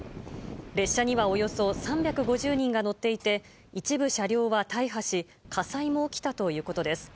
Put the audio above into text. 列車にはおよそ３５０人が乗っていて、一部車両は大破し、火災も起きたということです。